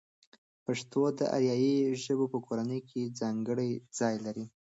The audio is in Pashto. پښتو د آریایي ژبو په کورنۍ کې ځانګړی ځای لري.